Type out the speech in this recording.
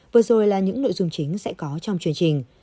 vừa rồi là những nội dung chính sẽ có trong chương trình